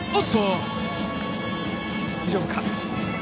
大丈夫か。